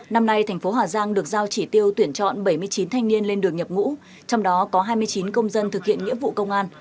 năm nay thành phố hà giang được giao chỉ tiêu tuyển chọn bảy mươi chín thanh niên lên đường nhập ngũ trong đó có hai mươi chín công dân thực hiện nghĩa vụ công an